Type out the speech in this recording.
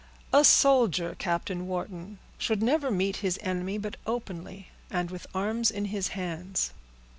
"A soldier, Captain Wharton, should never meet his enemy but openly, and with arms in his hands.